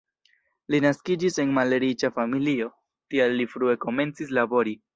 Li naskiĝis en malriĉa familio, tial li frue komencis labori.